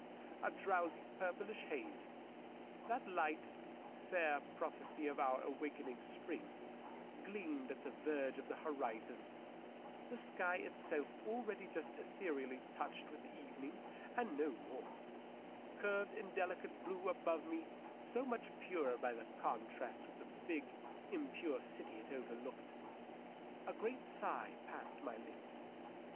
A drowsy purplish haze — ^that light, fair prophecy of our awakening spring — gleamed at the verge of the hori zon ; the sky itself, already just ethereally touched with evening and no more, curved in delicate blue above me, so much purer by contrast with the big, impure city it overbrowed. .. A great sigh passed my lips.